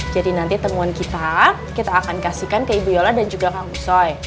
jadi nanti temuan kita kita akan kasihkan ke ibu yola dan juga kang kusoy